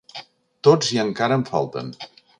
Tots i encara en falten.